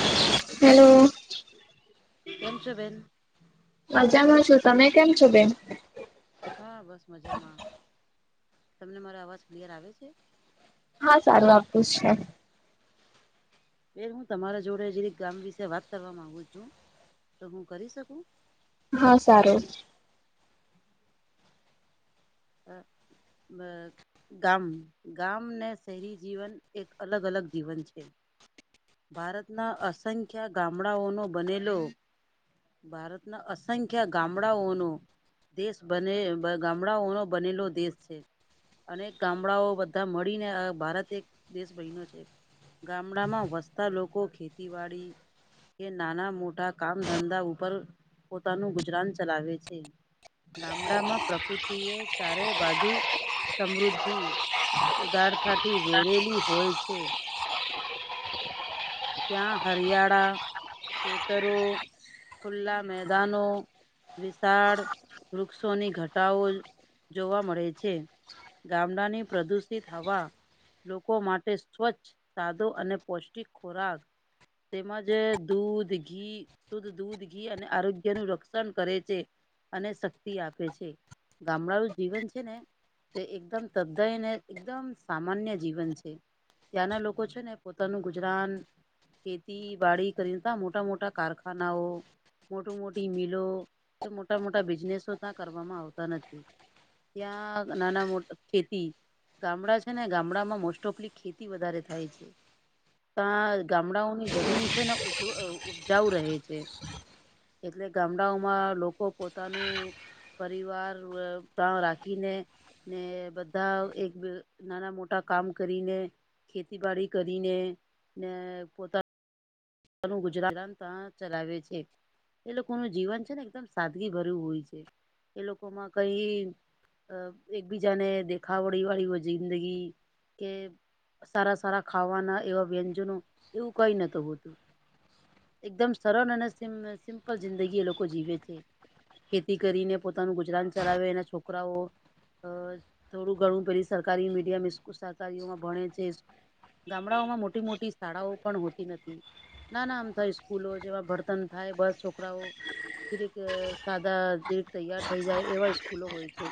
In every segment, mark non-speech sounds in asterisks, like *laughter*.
Hello hello કેમ છો બેેન મજામાં છું તમે કેમ છો બેન હા બસ મજામાં તમને મારો અવાજ ક્લિયર આવે છે હા સારો આવે છે. બે હું તમારા જોડે જે ગામ વિશે વાત કરવા માગુ છું તો હું કરી શકું હા સારું અ બ ગામ ગામ ને શહેરી જીવન એક અલગ અલગ જીવન છે ભારતના અસંખ્ય ગામડાઓનો બનેલો ભારતના અસંખ્ય ગામડાઓનો દેશ બને ગામડાઓનો બનેલો દેશ છે અનેક ગામડાઓ બધા મળીને આ ભારત એક દેશ બાઈનો છે. ગામડામાં વસતા લોકો ખેતીવાડી કે નાના મોટા કામ ધંધા ઉપર પોતાનું ગુજરાન ચલાવે છે ગામડામાં પ્રકૃતિ એ ચારે બાજુ સમૃદ્ધિ ઉદાર ખાતી વહેલી હોય છે ત્યાં હરિયાળા ખેતરો ખુલ્લા મેદાનો વિશાળ વૃક્ષોની ઘટાઓલ જોવા મળે છે ગામડાની પ્રદૂષિત હવા લોકો માટે સ્વચ્છ સાદો અને પૌષ્ટિક ખોરાક તેમજ દૂધ ઘી શુદ્ધ દૂધ ઘી અને આરોગ્ય નું રક્ષણ કરે છે અને શક્તિ આપે છે ગામડાનું જીવન છે ને તે એકદમ સમય અને એકદમ સામાન્ય જીવન છે ત્યાંના લોકો છે ને પોતાનું ગુજરાન ખેતી વાડી *unintelligible* મોટા મોટા કારખાનાઓ મોટું મોટી મિલો મોટા મોટા બિઝનેસો ત્યાં કરવામાં આવતા નથી ત્યાં નાના મોટા ખેતી ગામડા છે ને ગામડામાં મોસ્ટ ઓફલી ખેતી વધારે થાય છે ત્યાં ગામડાઓની જમીન છે ને ઉચ્ચાઉ રહે છે એટલે ગામડાઓમાં લોકો પોતાનું પરિવાર તા રાખીને ને બધા એક નાના મોટા કામ કરીને ખેતી બાડી કરીને ને પોતા નુ ગુજરાન ચલાવે છે એ લોકોનું જીવન છે ને એકદમ સાદગી ભર્યું હોય છે એ લોકોમાં કઈ એકબીજાને દેખાવડી *unintelligible* જિંદગી કે સારા સારા ખાવાના એવા વ્યંજનો એવું કઈ નતુ હોતું એકદમ સરળ અને સિમ્પલ જિંદગી એ લોકો જીવે છે ખેતી કરીને પોતાનું ગુજરાન ચલાવે એના છોકરાઓ અ થોડું ઘણું *unintelligible* સરકારી મીડિયમ *unintelligible* ભણે છે ગામડાઓમાં મોટી મોટી શાળાઓ પણ હોતી નથી નાના *unintelligible* સ્કૂલો જેમાં ભણતન થાય બસ છોકરાઓ *unintelligible* સાદા જીરીક તૈયાર થઈ જાય એવા સ્કૂલો હોય છે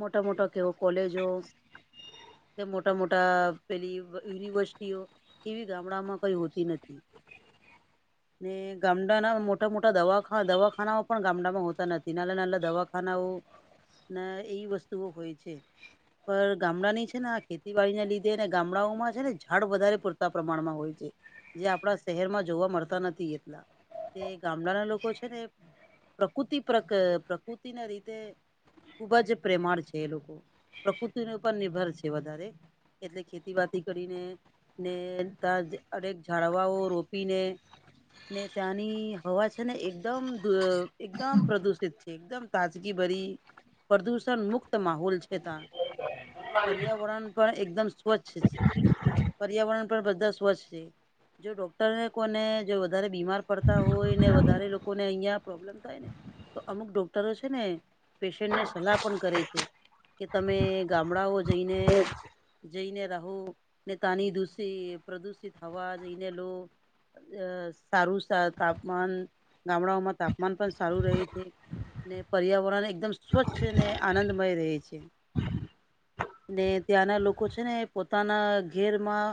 મોટા મોટા કેવો કોલેજો મોટા મોટા પેલી યુનિવર્સિટીઓ એવી ગામડામાં કઈ હોતી નથી ને ગામડાના મોટા મોટા દવાખાનાઓ પણ ગામડામાં હોતા નથી નાના નાના દવાખાનાઓ ને એવી વસ્તુઓ હોય છે પર ગામડાની છે ને આ ખેતીવાડીને લીધે ને ગામડાઓમાં છે ને ઝાડ વધારે પૂરતા પ્રમાણમાં હોય છે જે આપણા શહેરમાં જોવા મળતા નથી એટલા તે ગામડાના લોકો છે ને પ્રકૃતિ *unintelligible* રીતે ખૂબ જ પ્રેમાળ છે એ લોકો પ્રકૃતિ ઉપર નિર્ભર છે વધારે એટલે ખેતી *inaudible* કરીને ને તા અનેક જાઝડવાઓ રો પીને ને ત્યાંની હવા છે ને એકદમ એકદમ *unintelligible* એકદમ તાજગી ભરી પ્રદૂષણ મુક્ત માહોલ છે ત્યાં પર્યાવરણ પણ એકદમ સ્વચ્છ પર્યાવરણ પણ બધા સ્વચ્છ છે જો ડો *unintelligible* જો વધારે બીમાર પડતા હોય ને વધારે લોકોને *unintelligible* પ્રોબ્લેમ થાય ને તો અમુક ડોક્ટરો છે ને પેશન્ટને સલાહ પણ કરે તે કે તમે ગામડાઓ જઈને જઈને રહો ને તની દૂષિત પ્રદૂષિત હવા જઈને લો સારું તાપમાન ગામડાઓમાં તાપમાન પણ સારું રહે છે ને પર્યાવરણ એકદમ સ્વચ્છ ને આનંદમય રેય છે ને ત્યાંના લોકો છે ને પોતાના ઘેરમાં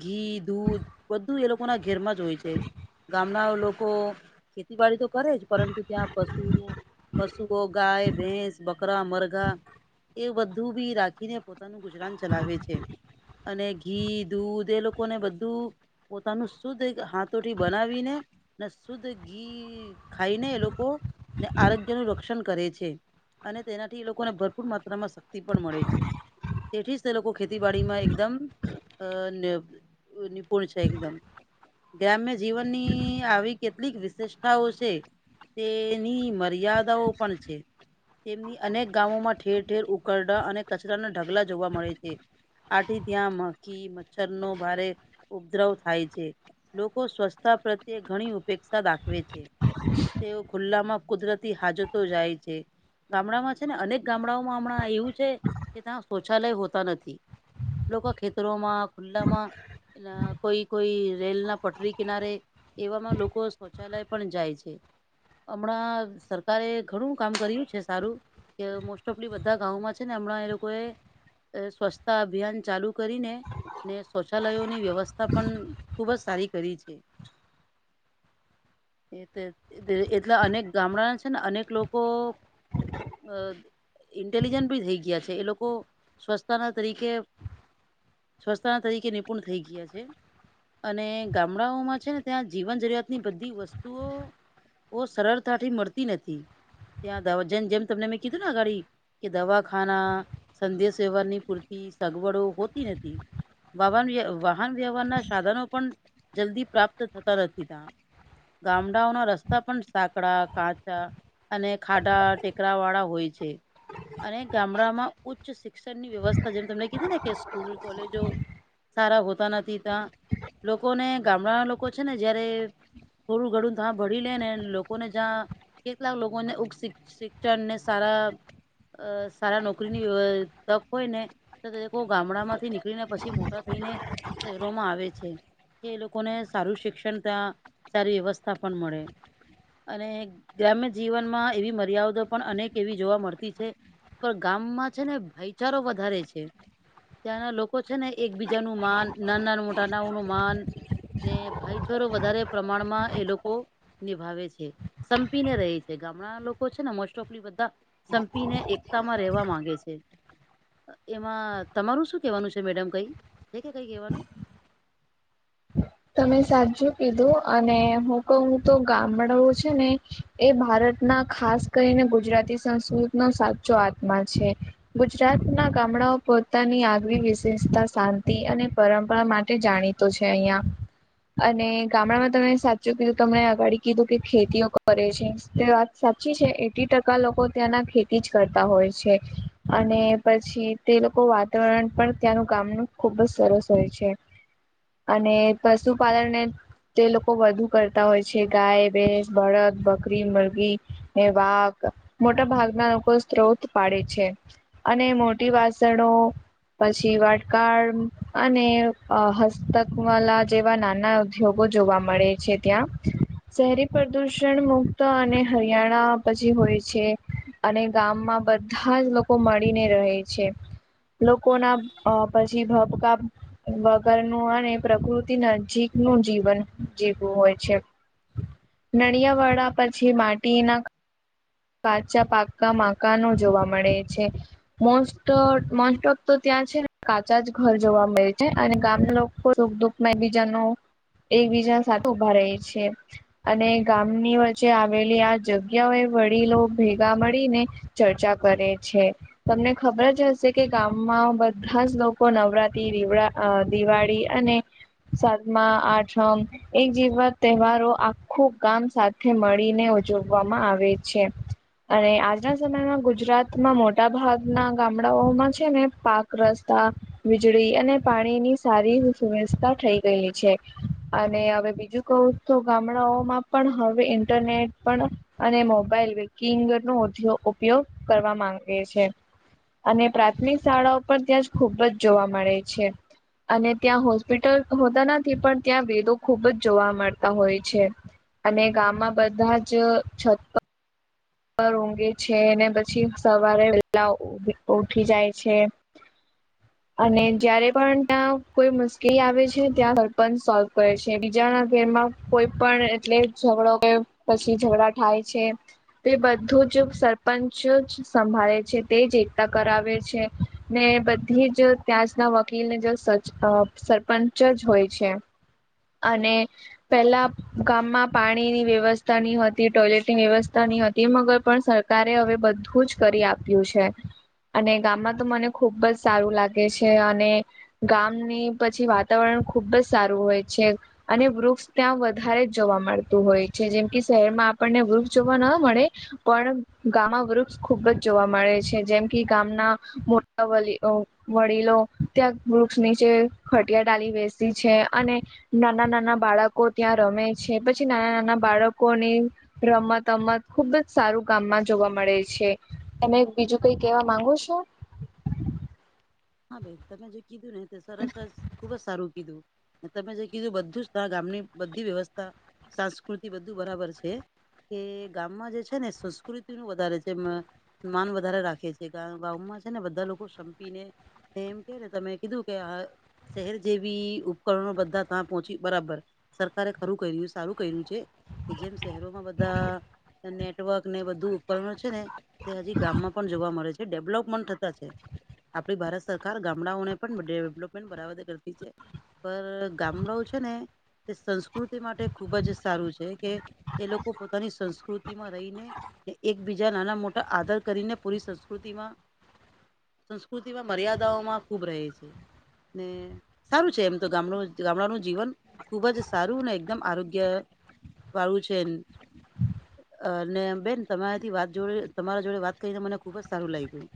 ઘી દૂધ બધું એ લોકો ના ઘેરમાં જ હોય છે ગામના લોકો ખેતીબાડી તો કરે જ પરંતુ ત્યાં પશુ પશુઓ ગાય, ભેંસ, બકરા, મરઘા એ બધા ધૂબી રાખીને પોતાનું ગુજરાન ચલાવે છે. અને ઘી, દૂધ એ લોકોને બધું પોતાનું શુદ્ધ હાથોથી બનાવીને ને શુદ્ધ ઘી ખાઈને એ લોકો ને આરોગ્ય નું રક્ષણ કરે છે. અને તેનાથી લોકોને ભરપૂર માત્રામાં શક્તિ પણ મળે છે. તેથી જ તે લોકો ખેતીબાડીમાં એકદમ અ નિપુણ છે એકદમ. ગ્રામ્ય જીવનની આવી કેટલીક વિશેષતાઓ છે. તેની મર્યાદાઓ પણ છે. તેમની અનેક ગામોમાં ઠેર- ઠેર ઉકરડા અને કચરાના ઢગલા જોવા મળે છે. આથી ત્યાં મખી મચ્છરનો ભારે ઉપદ્રવ થાય છે. લોકો સ્વસ્થતા પ્રત્યે ઘણી ઉપેક્ષા દાખવે છે. તેઓ ખુલ્લામાં કુદરતી હાજતો જાય છે. ગામડામાં છે ને અનેક ગામડાઓમાં હમણાં એવું છે, કે ત્યાં શૌચાલય હોતા નથી. લોકો ખેતરોમાં ખુલ્લામાં એ કોઈ કોઈ રેલ ના પટરી કિનારે એવામાં લોકો શૌચાલય પણ જાય છે. હમણાં સરકારે ઘણું કામ કર્યું છે સારું, કે મોસ્ટ ઓપ આપલી બધા ગામોમાં છે ને હમણાં એ લોકોએ સ્વચ્છતા અભિયાન ચાલુ કરીને ને શૌચાલયોની વ્યવસ્થા પણ ખૂબ જ સારી કરી છે. એ એટલા અનેક ગામડાના છે ને અનેક લોકો અ ઇન્ટેલિજન્ટ ભી થઈ ગયા છે. એ લોકો સ્વચ્છતાના તરીકે સ્વચ્છતા તરીકે નિપુણ થઈ ગયા છે. અને ગામડાઓમાં છે ને ત્યાં જીવન જરૂરિયાત ની બધી વસ્તુઓ બો સરળતાથી મળતી નથી. ત્યાં દ જેમ જેમ તમને મેં કીધું ને અગાડી કે દવાખાના સંદેશ વ્યવહારની પૂરતી સગવડો હોતી નથી. વાવન વાહન વ્યવહારના સાધનો પણ જલ્દી પ્રાપ્ત થતા નથી તા ગામડાઓના રસ્તા પણ સાકડા, કાચા અને ખાડા ટેકરા વાળા હોય છે. અને ગામડામાં ઉચ્ચ શિક્ષણ ની વ્યવસ્થા જેમ તમને કીધી ને કે સ્કૂલ, કોલેજો સારા હોતા નથી ત્યાં લોકોને ગામડાના લોકો છે ને જયારે થોડું ઘડું ત્યાં ભરી લે ને લોકોને જ્યાં કેટલાક લોકોને ઉક શિક્ષણને સારા અ સારા નોકરીની વ તક હોય ને તોરે ગામડા માંથી નીકળ ને પછી મોટા થઈને શહેરોમાં આવે છે. કે એ લોકોને સારું શિક્ષણ ત્યાં સારી વ્યવસ્થા પણ મળે. અને ગ્રામ્ય જીવનમાં એવી મર્યાદા પણ અનેક એવી જોવા મળતી છે. પણ ગામમાં છે ને ભાઈચારો વધારે છે. ત્યાંના લોકો લોકો છે ને એક બીજા નું માન ના ના મોટા ના ન માન ને ભાઈચારો વધારે પ્રમાણમાં એ લોકો નિભાવે છે. સંપીને રહે છે. ગામડા લોકો છે ને મોસ્ટ ઓફલી બધા સંપીને એકતામાં રહેવા માંગે છે. એમાં તમારું શું કેવાનું છે મેડમ કઈ છે કે કઈ કેવાનું? તમે સાચું કીધું અને હું કહુ તો ગામડો છે ને એ ભારતના ખાસ કરીને ગુજરાતી સંસ્કૃત નો સાચો આત્મા છે. ગુજરાત ના ગામડાઓ પોતાની આગવી વિશેષતા શાંતિ અને પરંપરા માટે જાણી તો છે આયાં. અને ગામડામાં તમે સાચું કીધું તમને અગાડી કીધું કે ખેતીઓ કરે છે તે વાત.. સાચી છે એટી ટકા લોકો ત્યાંના ખેતી જ કરતા હોય છે અને પછ તે લોકો વાતાવરણ પણ ત્યાંનું ગામનું ખુબ જ સરસ હોય છે અને.. પશુપાલન.. તે લોકો વધુ કરતા હોય છે ગાય ભેસ બળદ બકરી મુરઘી વાઘ.. મોટા ભાગના લોકો સ્ત્રોત પાડે છે અને મોટી વાસણો. પછી વાટકા અને હસ્તક વાલા જેવા નાના ઉદ્યોગો જોવા મળે છે ત્યાં શહેરી પ્રદૂષણ મુક્ત અને હરિયાણા પછી હોય છે અને ગામમાં બધા જ લોકો મળીને રહે છે.. લોકો ના પછી ભબકામ વગરનુંું અને પ્રકૃતિ. નજીક નું જીવન જીવવું હોય છે.. નળિયા વડા પછી માટી ના.. કાચા પાક્કા મકાનો જોવા મળે છે મસ્ટ વ તો ત્યાં છે ને કાચા જ ઘર જોવા મળે છે અને ગામના લોકો. મે બીજાનો એકબીજા સાથે ઉભા રહી છે. અને ગામની વચ્ચે આવેલી આ જગ્.. વડીલો ભેગા મળીને ચર્ચા કરે છે.. તમને ખબર જ હશે કે ગામમાં બધા જ લોકો નવરાત્રી અ દિવાળી અને સાતમા આઠમ.. એક જેીવા તહેવારો આખું ગામ સાથે મળીને ઉજવવામાં આવે છે.. છે.. અને આજના સમયમાં ગુજરાતમાં મોટા ભાગના ગામડાઓમાં છે ને પાક રસ્તા વીજળી અને પાણીની સારી સુવસ્થા થઈ ગયેલી છે અને હવે બીજું કવું? તો ગામડાઓમાં પણ હવે ઇન્ટરનેટ પણ મોબા લવે કંગર નો ઉપયોગ કરવા માંગે છે.. અને પ્રાથમિક શાળાઓ પણ ત્યાં જ ખુબ જ જોવા મળે છે.. અને ત્યાં હોસ્પિટલ હોતા નથી પણ ત્યાં વેદો ખુબ જ જોવા મળતા હોય છે. અને ગામમાં બધા જ છત ઊંઘે છે ને પછી સવારે પેલા ઉઠી જાય છે. *unintelligible* અને જયારે પણ ત્યાં કોઈ મુશ્કેલી આવે છે ત્યાં સરપંચ સોલ્વ કરે છે બીજાના ઘેરમાં.. કોઈ પણ એટલે ઝઘડો કે પછી ઝઘડા થાય છે. તે બધું જ સરપંચ જ સંભાળે છે, તે જ એકતા કરાવે છે. ને બધી જ ત્યાંજ ના વકીલને જે સરપંચ જ હોય છે. અને પેલા ગામમાં પાણીની વ્યવસ્થા ની હતી ટોયલેટની વ્યવસ્થા ની તે મગર પણ સરકારે હવે બધું જ કરી આપ્યું છે. અને ગામમાં તો મને ખુબ જ સારું લાગે છે અને ગામની પછી વાતાવરણ ખુબ જ સારું હોય છે. અને વૃક્ષ ત્યાં વધારે જ જોવા મળતું હોય છે જેમ કે શહેરમાં આપણને વૃક્ષ જોવા ના મળે પણ ગામમાં વૃક્ષ ખુબ જ જોવા મળે છે જેમ કે ગામના વ વડીલો ત્યાં વૃક્ષ નીચે ખટિયા ડાલી બેસી છે અને નાના નાના બાળકો ત્યાં રમે છે, પછી નાના નાના બાળકોને રમત અમત ખુબ જ સારું કામમાં જોવા મળે છે. તમે બીજું કઈ કેવા માંગો છો? હા બેન તમે જે કીધું ને તે સરસસ ખુબ જ સારું કીધું તમે જે કીધું બધું જ તા ગામની બધી વ્યવસ્થા સંસ્કૃતિ બધું બરાબર છે કે ગામમાં જે છે ને સંસ્કૃતિ નું વધારે છે મ માન વધારે રાખે છે, કારણ ગામમાં છે ને બધા લોકો સંપીને એમ કેને તમે કીધું કે આ શહેર જેવી ઉપકરણો બધા ત પહોચી બરાબર સરકારે ખરું કર્યું સારું કર્યું છે કે જેમ શહેરોમાં બધા નેટવર્ક ને બધું ઉપકરણ છે ને તે હજી ગામમાં પણ જોવા મળે છે. ડેવલોપમેન્ટ થતા છે. આપડી ભારત સરકાર ગામડાઓને પણ ડેવલપમેન્ટ બરાબ કરતી છે પર ગામડાઓ છે ને તે સંસ્કૃતિ માટે ખૂબ જ સારું છે કે એ લોકો પોતાની સંસ્કૃતિમાં રહીને એકબીજા નાના મોટા આદર કરીને પૂરી સંસ્કૃતિમાં સંસ્કૃતિમાં મર્યાદાઓમાં ખૂબ રહે છે. ને સારું છે એમ તો ગામડું ગામડાનું જીવન ખુબ જ સારું એકદમ આરોગ્ય વાળું છે. અને બેન તમારાથી વાત જોડે તમારા જોડે વાત કરીને મને ખુબ જ સારું લાગ્યું.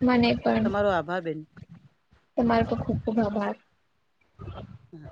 મને બી. તમારો આભાર બેન. તમાર ખ ખૂબ ખૂબ આભાર. હા.